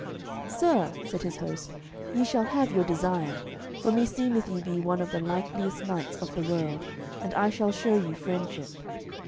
"Sir," said his host, "ye shall have your desire, for me seemeth ye be one of the likeliest knights of the world, and I shall show you friendship.